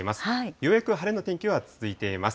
ようやく晴れの天気は続いています。